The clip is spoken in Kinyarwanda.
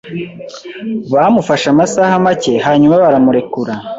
Bamufashe amasaha make hanyuma baramurekura.